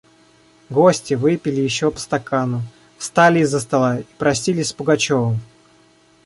Гости выпили еще по стакану, встали из-за стола и простились с Пугачевым.